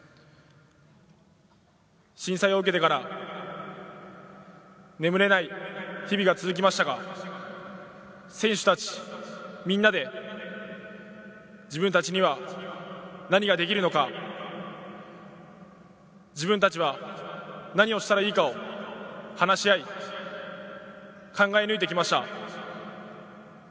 震災を受けてから眠れない日々が続きましたが選手達みんなで自分達には何ができるのか自分達は何をしたらいいかを話し合い考え抜いてきました